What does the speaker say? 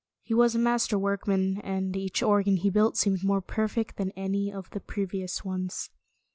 He was a master workman, and each organ he built seemed more perfect than any of the previous ones.